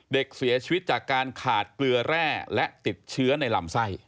เด็กเสียชีวิตจากการขาดเกลือแร่และติดเชื้อในลำไส้